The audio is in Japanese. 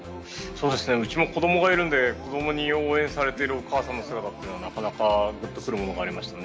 うちも子供がいるので子供に応援されているお母さんの姿というのはなかなかグッとくるものがありましたね。